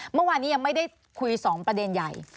เมื่อวานนี้ยังไม่ได้คุย๒ประเด็นใหญ่